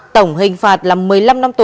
tổng hình phạt là một mươi năm năm tù